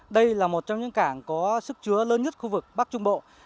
đây là một trong những cảng có sức chứa lớn nhất khu vực bắc trung bộ